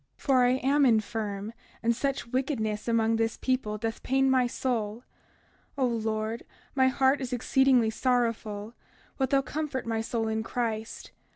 For I am infirm, and such wickedness among this people doth pain my soul. 31:31 O Lord, my heart is exceedingly sorrowful; wilt thou comfort my soul in Christ.